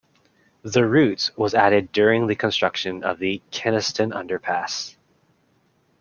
The route was added during the construction of the Kenaston Underpass.